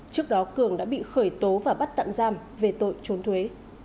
trước đó cường đã bị khởi tố và bắt tạm giam về tội trốn thuế